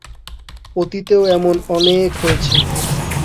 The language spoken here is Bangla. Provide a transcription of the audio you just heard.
অতীতেও এমন অনেক হয়েছে।